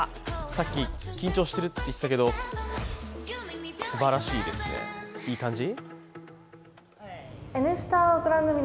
さっき緊張しているって言っていたけどすばらしいですね、いい感じ。